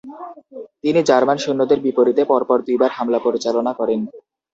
তিনি জার্মান সৈন্যদের বিপরীতে পর পর দুইবার হামলা পরিচালনা করেন।